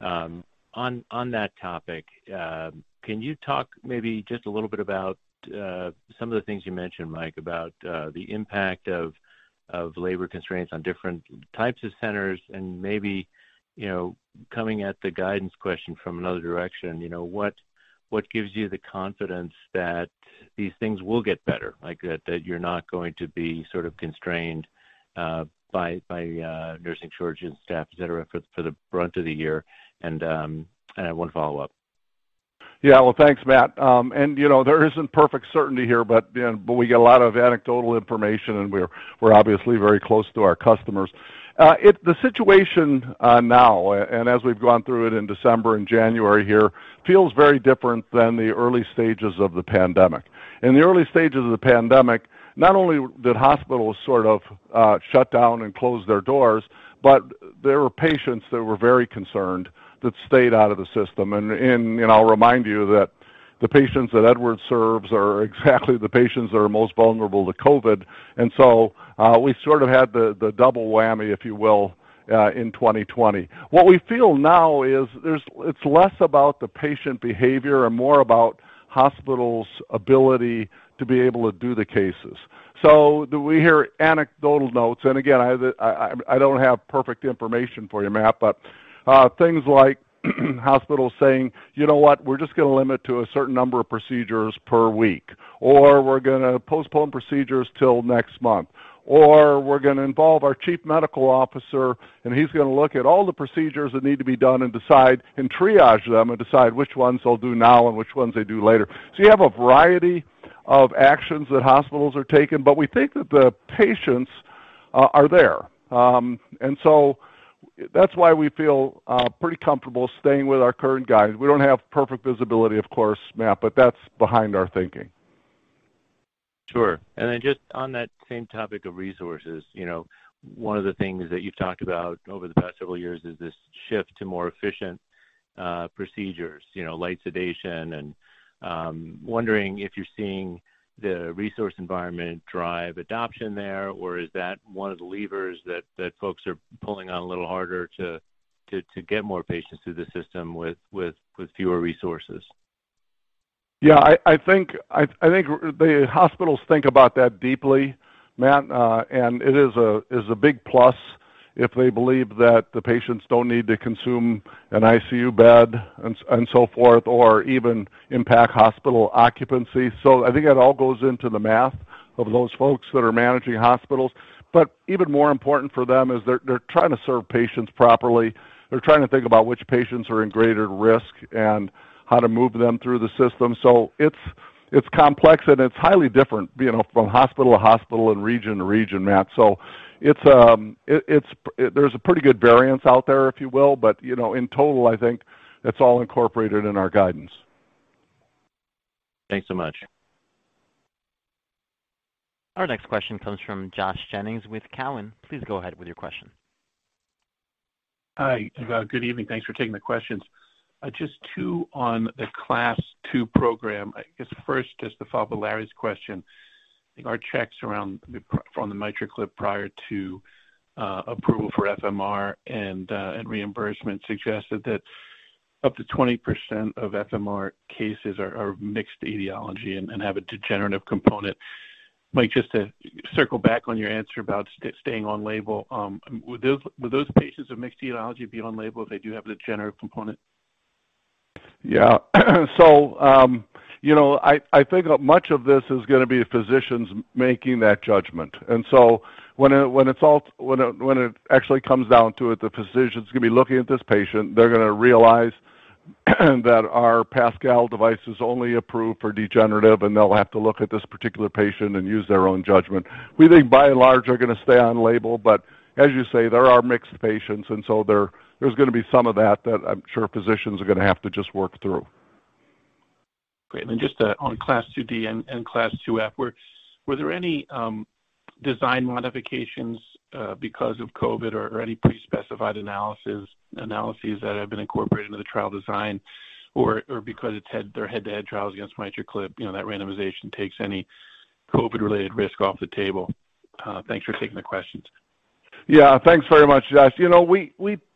On that topic, can you talk maybe just a little bit about some of the things you mentioned, Mike, about the impact of labor constraints on different types of centers and maybe, you know, coming at the guidance question from another direction. You know, what gives you the confidence that these things will get better, like that you're not going to be sort of constrained by nursing shortage and staff, et cetera, for the brunt of the year? I have one follow-up. Yeah. Well, thanks, Matt. You know, there isn't perfect certainty here, but we get a lot of anecdotal information, and we're obviously very close to our customers. The situation now and as we've gone through it in December and January here feels very different than the early stages of the pandemic. In the early stages of the pandemic, not only did hospitals sort of shut down and close their doors, but there were patients that were very concerned that stayed out of the system. You know, I'll remind you that the patients that Edwards serves are exactly the patients that are most vulnerable to COVID. We sort of had the double whammy, if you will, in 2020. What we feel now is there's it's less about the patient behavior and more about hospitals' ability to be able to do the cases. Do we hear anecdotal notes? Again, I don't have perfect information for you, Matt, but things like hospitals saying, "You know what? We're just gonna limit to a certain number of procedures per week," or, "We're gonna postpone procedures till next month," or, "We're gonna involve our chief medical officer, and he's gonna look at all the procedures that need to be done and decide and triage them and decide which ones they'll do now and which ones they do later." You have a variety of actions that hospitals are taking, but we think that the patients are there. That's why we feel pretty comfortable staying with our current guidance. We don't have perfect visibility, of course, Matt, but that's behind our thinking. Sure. Just on that same topic of resources, you know, one of the things that you've talked about over the past several years is this shift to more efficient procedures, you know, light sedation and wondering if you're seeing the resource environment drive adoption there, or is that one of the levers that folks are pulling on a little harder to get more patients through the system with fewer resources? Yeah. I think the hospitals think about that deeply, Matt, and it is a big plus if they believe that the patients don't need to consume an ICU bed and so forth, or even impact hospital occupancy. I think it all goes into the math of those folks that are managing hospitals. Even more important for them is they're trying to serve patients properly. They're trying to think about which patients are in greater risk and how to move them through the system. It's complex, and it's highly different, you know, from hospital to hospital and region to region, Matt. There's a pretty good variance out there, if you will, but, you know, in total, I think it's all incorporated in our guidance. Thanks so much. Our next question comes from Josh Jennings with Cowen. Please go ahead with your question. Hi. Good evening. Thanks for taking the questions. Just two on the CLASP II program. I guess first, just to follow Larry's question, our checks around from the MitraClip prior to approval for FMR and reimbursement suggested that up to 20% of FMR cases are mixed etiology and have a degenerative component. Mike, just to circle back on your answer about staying on label, would those patients of mixed etiology be on label if they do have the degenerative component? Yeah. You know, I think much of this is gonna be physicians making that judgment. When it actually comes down to it, the physician's gonna be looking at this patient. They're gonna realize that our PASCAL device is only approved for degenerative, and they'll have to look at this particular patient and use their own judgment. We think by and large are gonna stay on label, but as you say, there are mixed patients, and there's gonna be some of that that I'm sure physicians are gonna have to just work through. Great. Then just on CLASP IID and CLASP IIF, were there any design modifications because of COVID or any pre-specified analyses that have been incorporated into the trial design or because they're head-to-head trials against MitraClip, you know, that randomization takes any COVID-related risk off the table? Thanks for taking the questions. Yeah. Thanks very much, Josh. You know,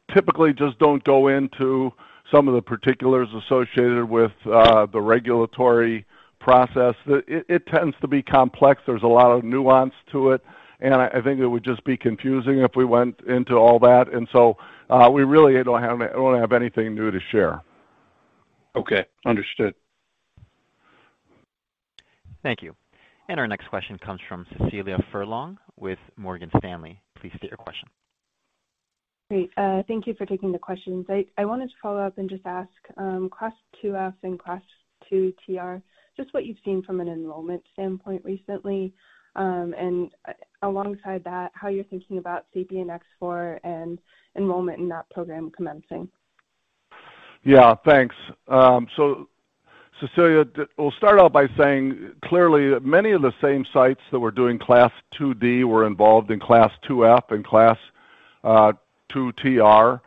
we typically just don't go into some of the particulars associated with the regulatory process. It tends to be complex. There's a lot of nuance to it, and I think it would just be confusing if we went into all that. I don't have anything new to share. Okay. Understood. Thank you. Our next question comes from Cecilia Furlong with Morgan Stanley. Please state your question. Great. Thank you for taking the questions. I wanted to follow up and just ask, CLASP IIF and CLASP II TR, just what you've seen from an enrollment standpoint recently, and alongside that, how you're thinking about SAPIEN X4 and enrollment in that program commencing. Yeah, thanks, Cecilia. I'll start out by saying clearly many of the same sites that were doing CLASP IID were involved in CLASP IIF and CLASP II TR.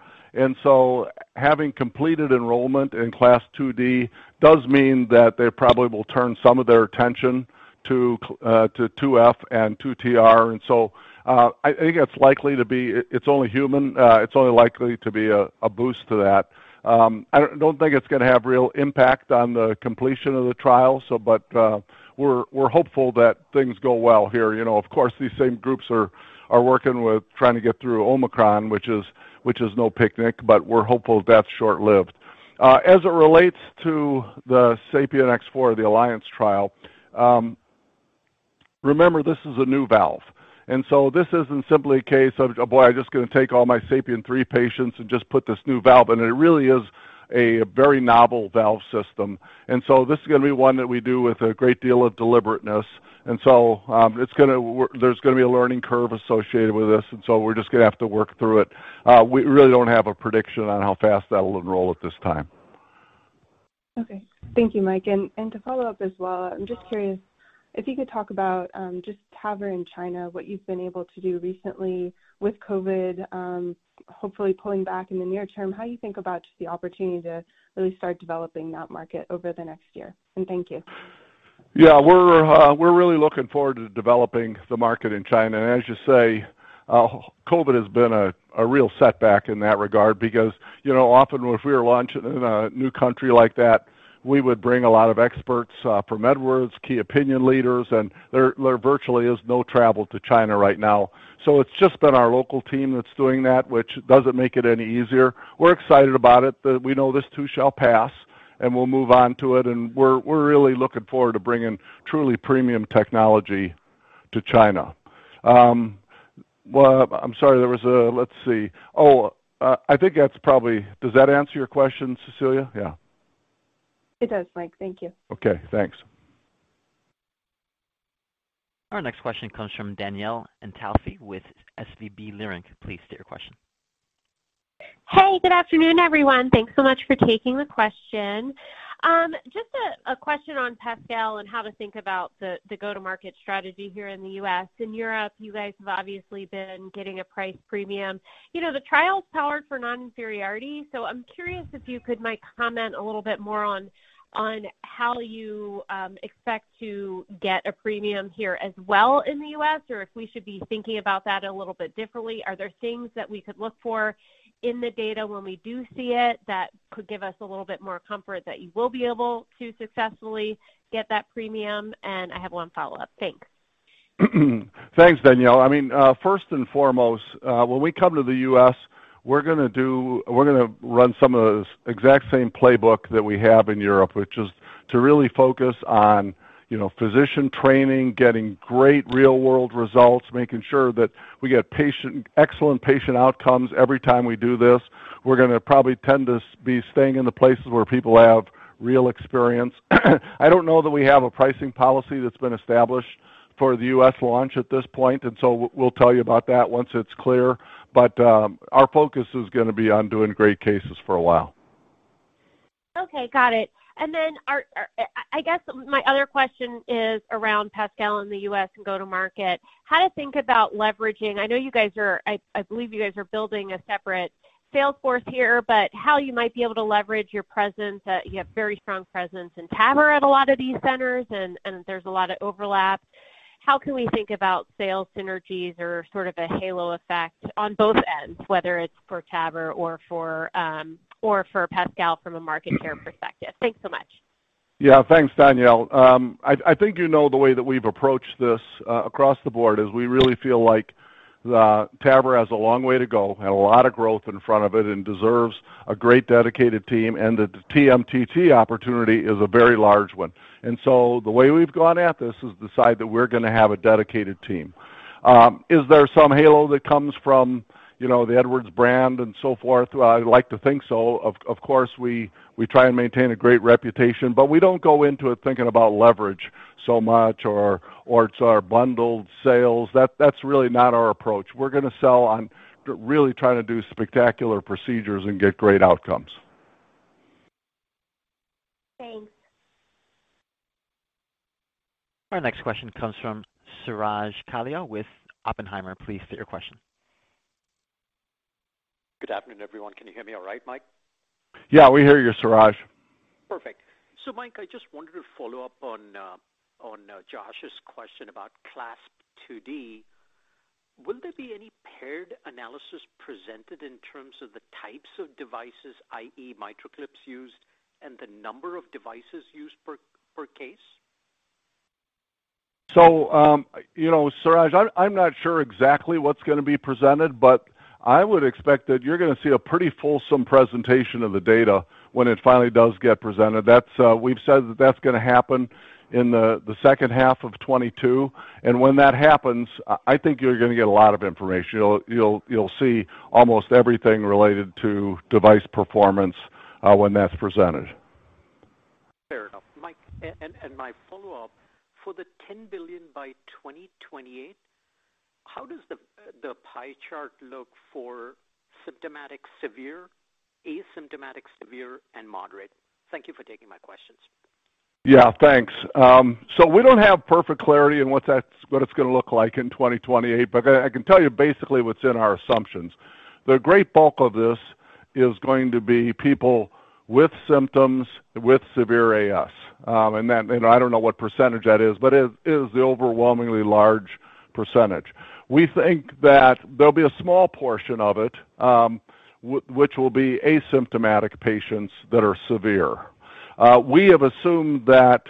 Having completed enrollment in CLASP IID does mean that they probably will turn some of their attention to CLASP IIF and CLASP II TR. I think it's likely to be. It's only human. It's only likely to be a boost to that. I don't think it's gonna have real impact on the completion of the trial. We're hopeful that things go well here. You know, of course, these same groups are working with trying to get through Omicron, which is no picnic, but we're hopeful that's short-lived. As it relates to the SAPIEN X4, the ALLIANCE trial, remember, this is a new valve, and so this isn't simply a case of, oh boy, I'm just gonna take all my SAPIEN 3 patients and just put this new valve in. It really is a very novel valve system. This is gonna be one that we do with a great deal of deliberateness. There's gonna be a learning curve associated with this, and so we're just gonna have to work through it. We really don't have a prediction on how fast that'll enroll at this time. Okay. Thank you, Mike. To follow-up as well, I'm just curious if you could talk about just TAVR in China, what you've been able to do recently with COVID, hopefully pulling back in the near term, how you think about just the opportunity to really start developing that market over the next year. Thank you. Yeah. We're really looking forward to developing the market in China. As you say, COVID has been a real setback in that regard because, you know, often if we were launching in a new country like that, we would bring a lot of experts from Edwards, key opinion leaders, and there virtually is no travel to China right now. It's just been our local team that's doing that, which doesn't make it any easier. We're excited about it. We know this too shall pass, and we'll move on to it, and we're really looking forward to bringing truly premium technology to China. Well, I'm sorry. Let's see. I think that's probably. Does that answer your question, Cecilia? Yeah. It does, Mike. Thank you. Okay. Thanks. Our next question comes from Danielle Antalffy with SVB Leerink. Please state your question. Hey, good afternoon, everyone. Thanks so much for taking the question. Just a question on PASCAL and how to think about the go-to-market strategy here in the U.S. In Europe, you guys have obviously been getting a price premium. You know, the trial's powered for non-inferiority. I'm curious if you could, Mike, comment a little bit more on how you expect to get a premium here as well in the U.S., or if we should be thinking about that a little bit differently. Are there things that we could look for in the data when we do see it that could give us a little bit more comfort that you will be able to successfully get that premium? I have one follow-up. Thanks. Thanks, Danielle. I mean, first and foremost, when we come to the U.S., we're gonna run some of the exact same playbook that we have in Europe, which is to really focus on, you know, physician training, getting great real-world results, making sure that we get excellent patient outcomes every time we do this. We're gonna probably tend to be staying in the places where people have real experience. I don't know that we have a pricing policy that's been established for the U.S. launch at this point, and so we'll tell you about that once it's clear. Our focus is gonna be on doing great cases for a while. Okay. Got it. I guess my other question is around PASCAL in the U.S. and go to market, how to think about leveraging. I believe you guys are building a separate sales force here, but how you might be able to leverage your presence. You have very strong presence in TAVR at a lot of these centers and there's a lot of overlap. How can we think about sales synergies or sort of a halo effect on both ends, whether it's for TAVR or for PASCAL from a market share perspective? Thanks so much. Yeah. Thanks, Danielle. I think you know the way that we've approached this across the board is we really feel like TAVR has a long way to go and a lot of growth in front of it and deserves a great dedicated team, and the TMTT opportunity is a very large one. The way we've gone at this is decide that we're gonna have a dedicated team. Is there some halo that comes from, you know, the Edwards brand and so forth? Well, I'd like to think so. Of course, we try and maintain a great reputation, but we don't go into it thinking about leverage so much or it's our bundled sales. That's really not our approach. We're gonna sell on really trying to do spectacular procedures and get great outcomes. Thanks. Our next question comes from Suraj Kalia with Oppenheimer. Please state your question. Good afternoon, everyone. Can you hear me all right, Mike? Yeah, we hear you, Suraj. Perfect. Mike, I just wanted to follow up on Josh's question about CLASP IID. Will there be any paired analysis presented in terms of the types of devices, i.e. MitraClip used and the number of devices used per case? You know, Suraj, I'm not sure exactly what's gonna be presented, but I would expect that you're gonna see a pretty fulsome presentation of the data when it finally does get presented. That's we've said that that's gonna happen in the second half of 2022. When that happens, I think you're gonna get a lot of information. You'll see almost everything related to device performance when that's presented. Fair enough. Mike, and my follow-up. For the $10 billion by 2028, how does the pie chart look for symptomatic severe, asymptomatic severe, and moderate? Thank you for taking my questions. Yeah, thanks. So we don't have perfect clarity on what it's gonna look like in 2028, but I can tell you basically what's in our assumptions. The great bulk of this is going to be people with symptoms with severe AS. I don't know what percentage that is, but it is the overwhelmingly large percentage. We think that there'll be a small portion of it, which will be asymptomatic patients that are severe. We have assumed that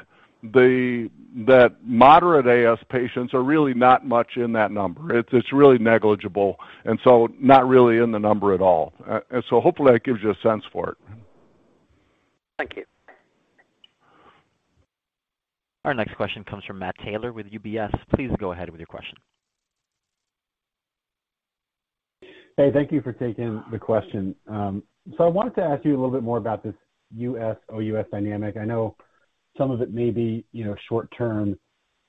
moderate AS patients are really not much in that number. It's really negligible, and so not really in the number at all. Hopefully that gives you a sense for it. Thank you. Our next question comes from Matt Taylor with UBS. Please go ahead with your question. Hey, thank you for taking the question. So I wanted to ask you a little bit more about this U.S., OUS dynamic. I know some of it may be, you know, short term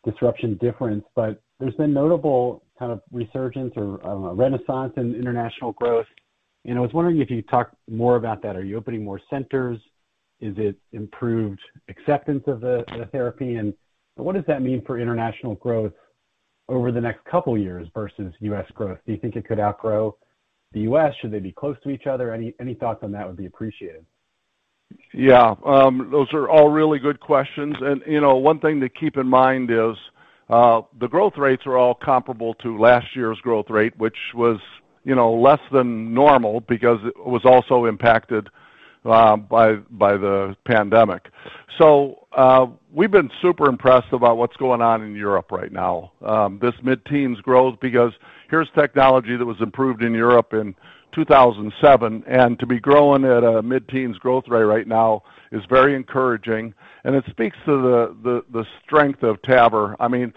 disruption difference, but there's been notable kind of resurgence or, I don't know, renaissance in international growth. I was wondering if you could talk more about that. Are you opening more centers? Is it improved acceptance of the therapy? And what does that mean for international growth over the next couple years versus U.S. growth? Do you think it could outgrow the U.S.? Should they be close to each other? Any, any thoughts on that would be appreciated. Yeah. Those are all really good questions. You know, one thing to keep in mind is the growth rates are all comparable to last year's growth rate, which was, you know, less than normal because it was also impacted by the pandemic. We've been super impressed about what's going on in Europe right now. This mid-teens growth because here's technology that was improved in Europe in 2007. To be growing at a mid-teens growth rate right now is very encouraging, and it speaks to the strength of TAVR. I mean,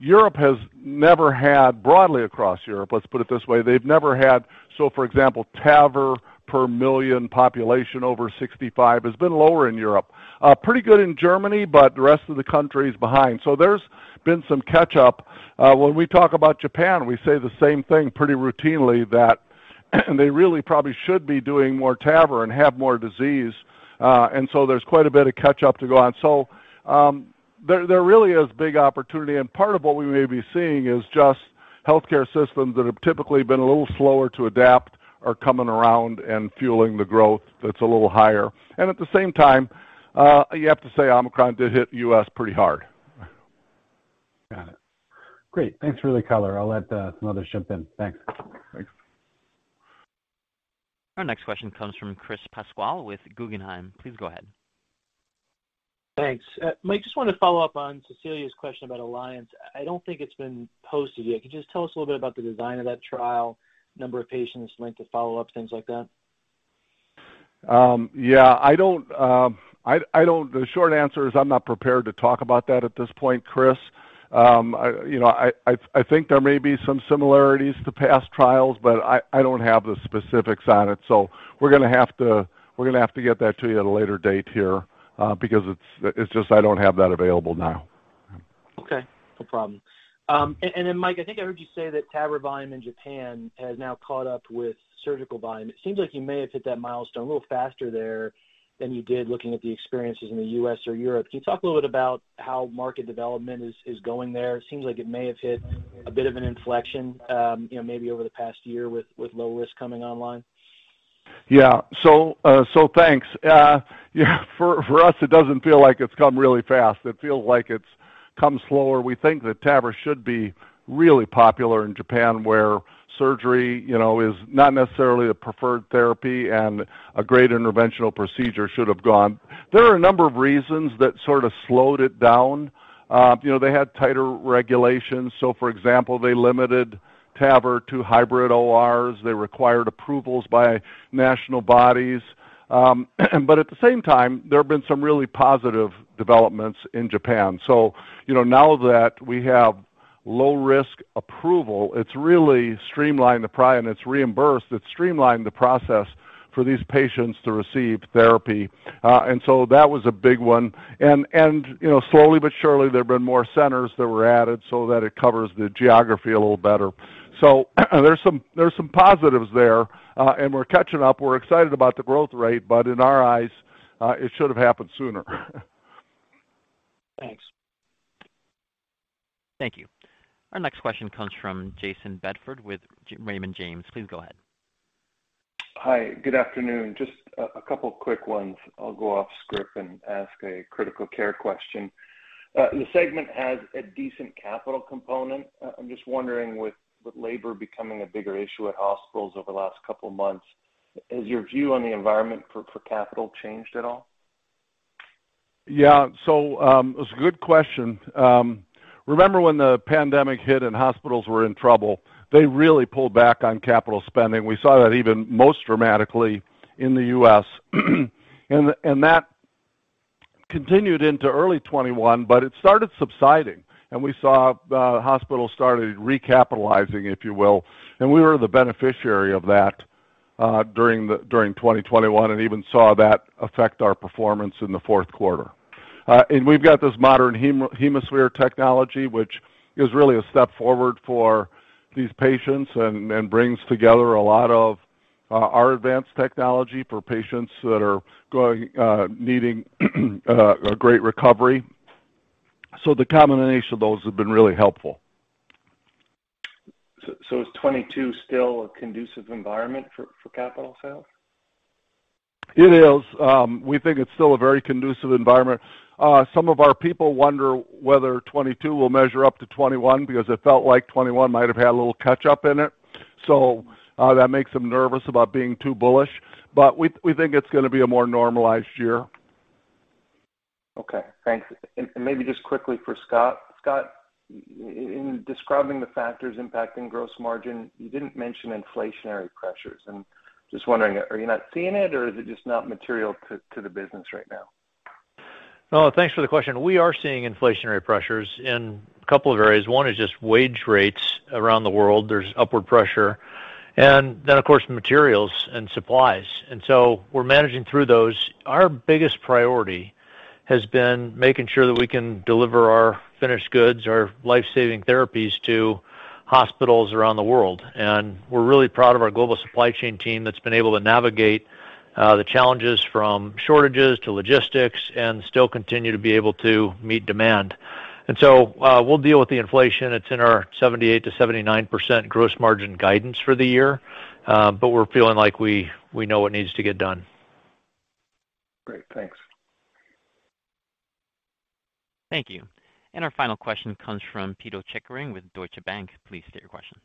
Europe has never had broadly across Europe, let's put it this way. They've never had. For example, TAVR per million population over 65 has been lower in Europe. Pretty good in Germany, but the rest of the country is behind. There's been some catch up. When we talk about Japan, we say the same thing pretty routinely that they really probably should be doing more TAVR and have more disease. There's quite a bit of catch up to go on. There really is big opportunity, and part of what we may be seeing is just healthcare systems that have typically been a little slower to adapt are coming around and fueling the growth that's a little higher. At the same time, you have to say Omicron did hit the U.S. pretty hard. Got it. Great. Thanks for the color. I'll let some others jump in. Thanks. Thanks. Our next question comes from Chris Pasquale with Guggenheim. Please go ahead. Thanks. Mike, just wanted to follow up on Cecilia's question about ALLIANCE. I don't think it's been posted yet. Can you just tell us a little bit about the design of that trial, number of patients, length of follow-up, things like that? The short answer is I'm not prepared to talk about that at this point, Chris. I, you know, think there may be some similarities to past trials, but I don't have the specifics on it, so we're gonna have to get that to you at a later date here, because it's just I don't have that available now. Okay. No problem. Then, Mike, I think I heard you say that TAVR volume in Japan has now caught up with surgical volume. It seems like you may have hit that milestone a little faster there than you did looking at the experiences in the U.S. or Europe. Can you talk a little bit about how market development is going there? It seems like it may have hit a bit of an inflection, you know, maybe over the past year with low risk coming online. Yeah. Thanks. Yeah, for us, it doesn't feel like it's come really fast. It feels like it's come slower. We think that TAVR should be really popular in Japan, where surgery, you know, is not necessarily a preferred therapy and a great interventional procedure should have gone. There are a number of reasons that sort of slowed it down. You know, they had tighter regulations. For example, they limited TAVR to hybrid ORs. They required approvals by national bodies. But at the same time, there have been some really positive developments in Japan. You know, now that we have low risk approval, it's really streamlined and it's reimbursed. It's streamlined the process for these patients to receive therapy. That was a big one. You know, slowly but surely, there have been more centers that were added so that it covers the geography a little better. There's some positives there, and we're catching up. We're excited about the growth rate, but in our eyes, it should have happened sooner. Thanks. Thank you. Our next question comes from Jayson Bedford with Raymond James. Please go ahead. Hi, good afternoon. Just a couple quick ones. I'll go off script and ask a Critical Care question. The segment has a decent capital component. I'm just wondering, with labor becoming a bigger issue at hospitals over the last couple of months, has your view on the environment for capital changed at all? It was a good question. Remember when the pandemic hit and hospitals were in trouble, they really pulled back on capital spending. We saw that even most dramatically in the U.S. That continued into early 2021, but it started subsiding, and we saw hospitals started recapitalizing, if you will. We were the beneficiary of that during 2021, and even saw that affect our performance in the fourth quarter. We've got this modern HemoSphere technology, which is really a step forward for these patients and brings together a lot of our advanced technology for patients that are going needing a great recovery. The combination of those have been really helpful. Is 2022 still a conducive environment for capital sales? It is. We think it's still a very conducive environment. Some of our people wonder whether 2022 will measure up to 2021 because it felt like 2021 might have had a little catch-up in it. That makes them nervous about being too bullish. We think it's gonna be a more normalized year. Okay, thanks. Maybe just quickly for Scott. Scott, in describing the factors impacting gross margin, you didn't mention inflationary pressures. Just wondering, are you not seeing it, or is it just not material to the business right now? No, thanks for the question. We are seeing inflationary pressures in a couple of areas. One is just wage rates around the world, there's upward pressure. Of course, materials and supplies. We're managing through those. Our biggest priority has been making sure that we can deliver our finished goods or life-saving therapies to hospitals around the world. We're really proud of our global supply chain team that's been able to navigate the challenges from shortages to logistics and still continue to be able to meet demand. We'll deal with the inflation. It's in our 78%-79% gross margin guidance for the year. We're feeling like we know what needs to get done. Great. Thanks. Thank you. Our final question comes from Pito Chickering with Deutsche Bank. Please state your question.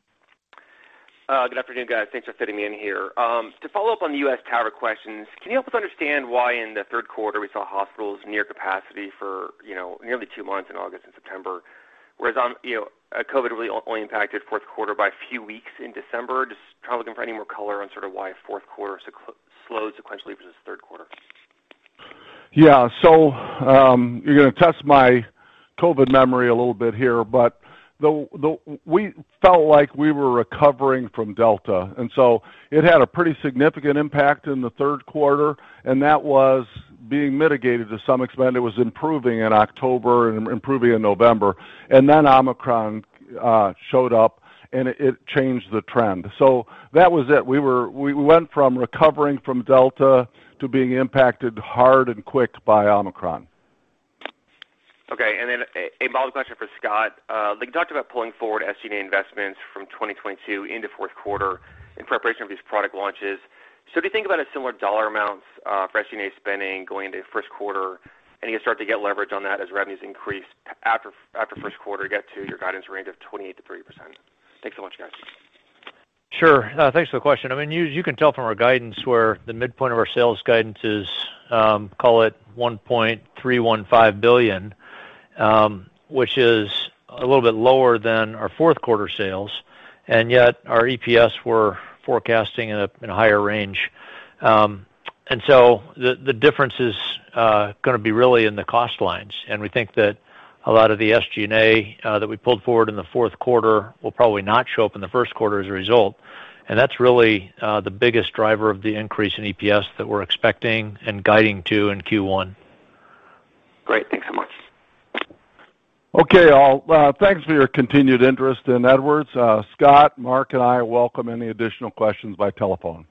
Good afternoon, guys. Thanks for fitting me in here. To follow-up on the U.S. TAVR questions, can you help us understand why in the third quarter we saw hospitals near capacity for, you know, nearly two months in August and September, whereas you know, COVID really only impacted fourth quarter by a few weeks in December. Just kind of looking for any more color on sort of why fourth quarter slows sequentially versus third quarter. Yeah. You're gonna test my COVID memory a little bit here, but we felt like we were recovering from Delta, and it had a pretty significant impact in the third quarter, and that was being mitigated to some extent. It was improving in October and improving in November. Omicron showed up and it changed the trend. That was it. We went from recovering from Delta to being impacted hard and quick by Omicron. Okay. Then a model question for Scott. Like you talked about pulling forward SG&A investments from 2022 into fourth quarter in preparation of these product launches. Do you think about a similar dollar amount for SG&A spending going into first quarter, and you start to get leverage on that as revenues increase after first quarter, get to your guidance range of 28%-30%? Thanks so much, guys. Sure. Thanks for the question. I mean, you can tell from our guidance where the midpoint of our sales guidance is, call it $1.315 billion, which is a little bit lower than our fourth quarter sales, and yet we're forecasting EPS in a higher range. The difference is gonna be really in the cost lines. We think that a lot of the SG&A that we pulled forward in the fourth quarter will probably not show up in the first quarter as a result. That's really the biggest driver of the increase in EPS that we're expecting and guiding to in Q1. Great. Thanks so much. Thanks for your continued interest in Edwards. Scott, Mark, and I welcome any additional questions by telephone.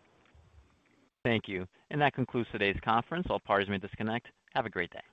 Thank you. That concludes today's conference. All parties may disconnect. Have a great day.